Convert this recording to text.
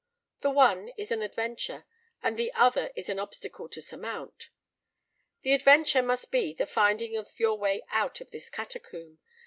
The one is an adventure, and the other is an obstacle to surmount. The adventure must be the finding of your way out of this catacomb.